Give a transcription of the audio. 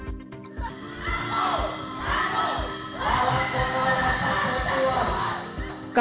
tidak ada yang bisa ditemukan